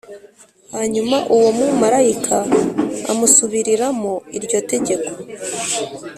hanyuma uwo mumarayika amusubiriramo iryo tegeko.